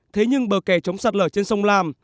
thế nhưng bờ kè chống sạt lở trên sông lam